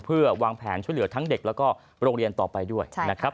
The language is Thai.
เพื่อวางแผนช่วยเหลือทั้งเด็กแล้วก็โรงเรียนต่อไปด้วยนะครับ